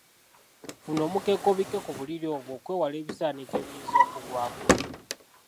Funa omukeeka obikke ku buliri bwo okwewala ebisaaniiko ebiyinza okugwako.